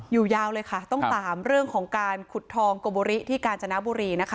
ยาวเลยค่ะต้องตามเรื่องของการขุดทองโกบุริที่กาญจนบุรีนะคะ